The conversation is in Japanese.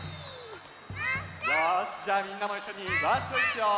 よしじゃあみんなもいっしょにワッショイいくよ。